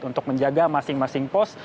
untuk menjaga masing masing pos